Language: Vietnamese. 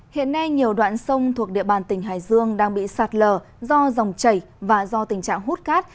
hiện nay nhiều đoạn sông thuộc địa bàn tỉnh hải dương đang bị sạt lở do dòng chảy và do tình trạng hút cát